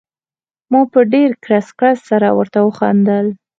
ما په ډېر کړس کړس سره ورته وخندل.